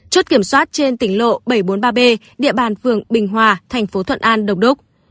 chốt kiểm soát trên tỉnh lộ bảy trăm bốn mươi ba b địa bàn phường bình hòa thành phố thuận an đông đúc